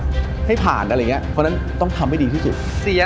จ้าวรอคอย